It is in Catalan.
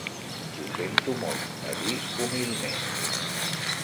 "Ho sento molt", va dir humilment.